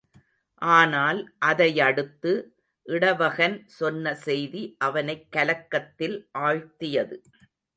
ஆனால் அதையடுத்து இடவகன் சொன்ன செய்தி அவனைக் கலக்கத்தில் ஆழ்த்தியது.